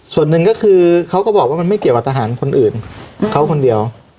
ส่วนหนึ่งก็คือเขาก็บอกว่ามันไม่เกี่ยวกับทหารคนอื่นเขาคนเดียว